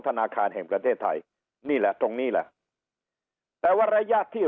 ธนาคารแห่งประเทศไทยนี่แหละตรงนี้แหละแต่ว่าระยะที่